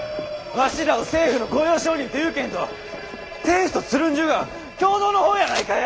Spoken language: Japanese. わしらを政府の御用商人とゆうけんど政府とつるんじゅうがは共同の方やないかえ。